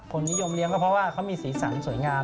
นิยมเลี้ยงก็เพราะว่าเขามีสีสันสวยงาม